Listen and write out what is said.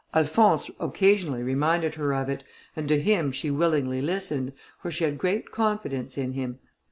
Alphonse occasionally reminded her of it, and to him she willingly listened, for she had great confidence in him.